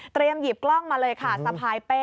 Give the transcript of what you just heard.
หยิบกล้องมาเลยค่ะสะพายเป้